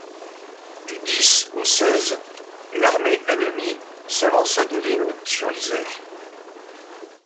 Du dix au seize, l'armée ennemie s'avança de l'Inn sur l'Iser.